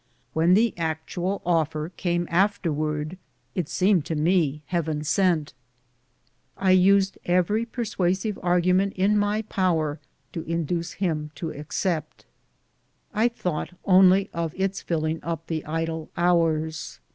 When the actual offer came afterwards, it seemed to me heaven sent. I used every persuasive argument in my power to induce him to accept. I thought only of its filling up the idle hours.